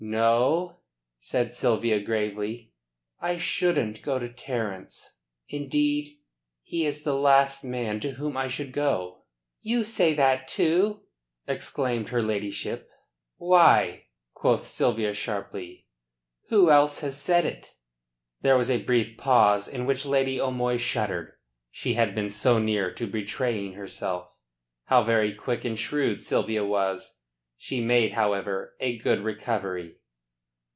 "No," said Sylvia gravely, "I shouldn't go to Terence. Indeed he is the last man to whom I should go." "You say that too!" exclaimed her ladyship. "Why?" quoth Sylvia sharply. "Who else has said it?" There was a brief pause in which Lady O'Moy shuddered. She had been so near to betraying herself. How very quick and shrewd Sylvia was! She made, however, a good recovery.